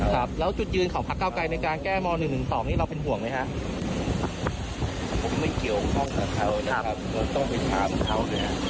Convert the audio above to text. ครับแล้วจุดยืนของภาคเก้าไกลในการแก้ม๑ม๒นี่เราเป็นห่วงไหมครับ